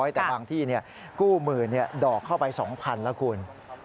แต่บางที่กู้หมื่นดอกเข้าไป๒๐๐๐แล้วคุณ